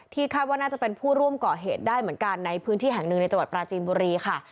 คาดว่าน่าจะเป็นผู้ร่วมก่อเหตุได้เหมือนกันในพื้นที่แห่งหนึ่งในจังหวัดปราจีนบุรีค่ะ